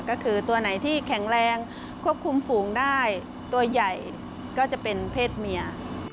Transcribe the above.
ก็คือตัวไหนที่แข็งแรงควบคุมฝูงได้ตัวใหญ่ก็จะเป็นเพศเมีย